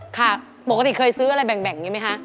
ค่ะปกติเคยซื้ออะไรแบ่งอย่างนี้ไหมคะ